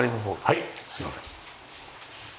はいすいません。